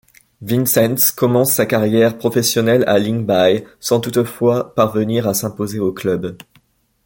Vinzents commence sa carrière professionnelle à Lyngby sans toutefois parvenir à s'imposer au club.